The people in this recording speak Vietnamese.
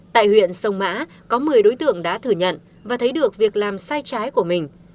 tại huyện sông mã có một mươi đối tượng đã thừa nhận và thấy được việc làm sai trái của mình